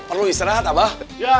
perlu istirahat abah